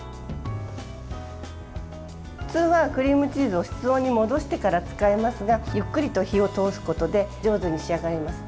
普通はクリームチーズを室温に戻してから使いますがゆっくりと火を通すことで上手に仕上がります。